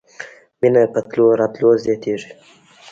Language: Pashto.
مینه په تلو راتلو زیاتیږي.